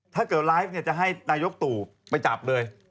ถ้าเกิดไลฟ์จะให้นายกตู่ไปจับเลย